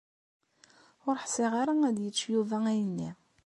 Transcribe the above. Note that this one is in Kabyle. Ur ḥṣiɣ ara ad yečč Yuba ayenni.